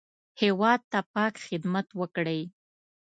هېواد ته پاک خدمت وکړئ